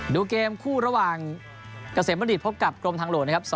ดูเกมคู่ระหว่างเกษมบัณฑิตพบกับกรมทางหลวงนะครับ